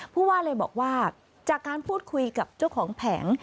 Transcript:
ผู้ว่าเลยบอกว่าจากการพูดคุยกับเจ้าของแผง